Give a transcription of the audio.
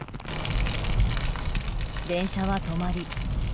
電車は止まり。